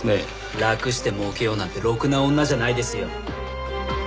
楽して儲けようなんてろくな女じゃないですよ。